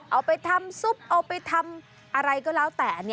เอาไปทำซุปเอาไปทำอะไรก็แล้วแต่